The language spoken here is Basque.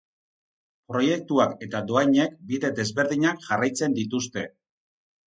Proiektuak eta dohainek bide desberdinak jarraitzen dituzte.